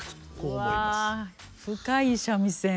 うわ深い三味線。